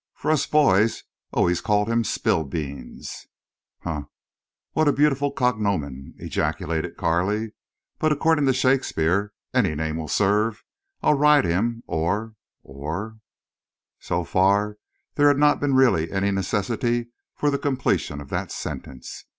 "For us boys always called him Spillbeans." "Humph! What a beautiful cognomen!" ejaculated Carley, "But according to Shakespeare any name will serve. I'll ride him or—or—" So far there had not really been any necessity for the completion of that sentence.